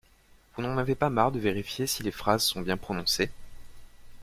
Vous n'en avez pas marre de vérifier si les phrases sont bien prononcées?